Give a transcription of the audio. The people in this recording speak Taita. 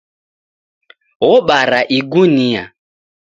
Obara igunia